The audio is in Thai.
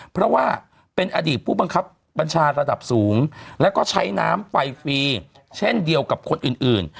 เพราะว่าเป็นอดีตผู้บังคับบัญชาระดับสูงแล้วก็ใช้น้ำไฟฟรีเช่นเดียวกับคนอื่น